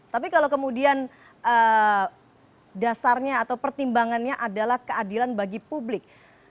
tapi kalau kemudian dasarnya atau pertimbangannya adalah keadilan bagi publik